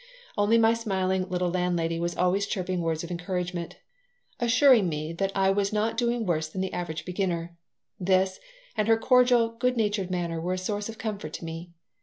Only my smiling little landlady was always chirping words of encouragement, assuring me that I was not doing worse than the average beginner. This and her cordial, good natured manner were a source of comfort to me.